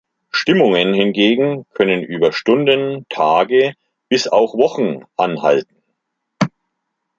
Stimmungen hingegen können über Stunden, Tage bis auch Wochen anhalten.